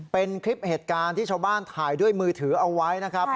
เป็นคลิปเหตุการณ์ที่ชาวบ้านถ่ายด้วยมือถือเอาไว้นะครับ